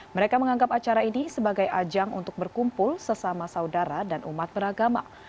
mereka menganggap acara ini sebagai ajang untuk berkumpul sesama saudara dan umat beragama